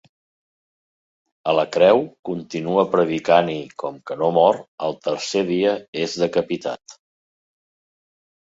A la creu, continua predicant i, com que no mor, al tercer dia és decapitat.